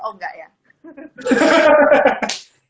oh enggak ya